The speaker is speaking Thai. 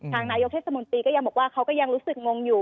นายกเทศมนตรีก็ยังบอกว่าเขาก็ยังรู้สึกงงอยู่